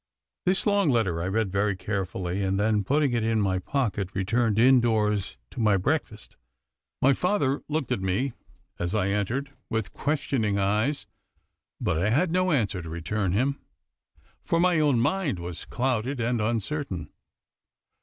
This long letter I read very carefully, and then putting it in my pocket returned indoors to my breakfast. My father looked at me, as I entered, with questioning eyes, but I had no answer to return him, for my own mind was clouded and uncertain.